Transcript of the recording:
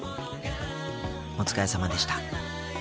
お疲れさまでした。